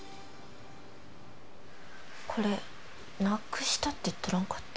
これなくしたって言っとらんかった？